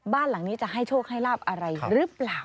บ้านหลังนี้จะให้โชคให้ลาบอะไรหรือเปล่า